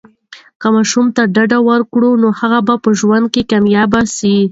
که ماشوم ته ډاډ ورکړو، نو هغه به په ژوند کې کامیاب سي.